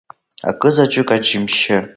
Акы-заҵәык аџьымшьы…